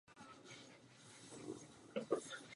Nicméně je to spíše vzácností.